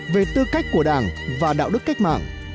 về tư cách của đảng và đạo đức cách mạng